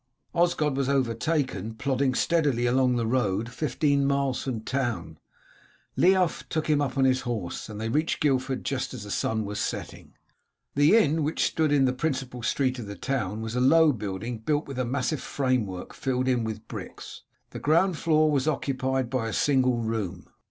Osgod was overtaken, plodding steadily along the road, fifteen miles from town. Leof took him up on his horse, and they reached Guildford just as the sun was setting. The inn, which stood in the principal street of the town, was a low building built with a massive framework filled in with bricks. The ground floor was occupied by a single room.